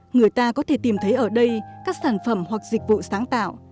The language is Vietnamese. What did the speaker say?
người ta có thể tìm thấy ở đây các sản phẩm hoặc dịch vụ sáng tạo